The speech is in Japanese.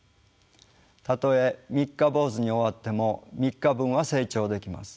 たとえ三日坊主に終わっても３日分は成長できます。